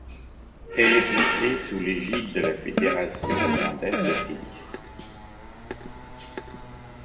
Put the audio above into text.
Elle est placée sous l'égide de la Fédération hollandaise de tennis.